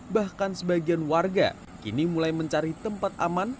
bahkan sebagian warga kini mulai mencari tempat aman